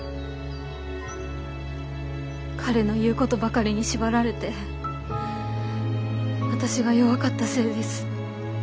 彼の言うことばかりに縛られて私が弱かったせいです。